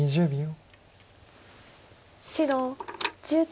２０秒。